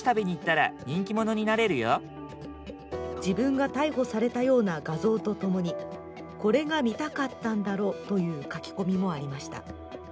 自分が逮捕されたような画像とともに、これが見たかったんだろという書き込みもありました。